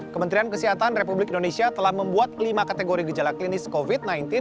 kementerian kesehatan republik indonesia telah membuat lima kategori gejala klinis covid sembilan belas